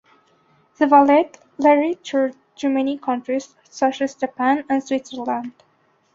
The ballet later toured to many countries such as Japan and Switzerland.